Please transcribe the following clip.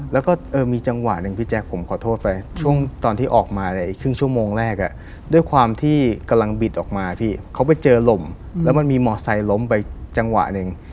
แล้วก็มีจังหวะหนึ่งพี่แจ๊คผมขอโทษไปช่วงตอนที่ออกมาในครึ่งชั่วโมงแรกด้วยความที่กำลังบิดออกมาพี่เขาไปเจอลมแล้วมันมีมอไซค์ล้มไปจังหวะหนึ่ง